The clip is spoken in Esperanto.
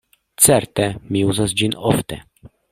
Certe, mi uzas ĝin ofte.